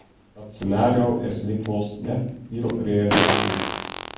Dat senario is lykwols net hiel realistysk.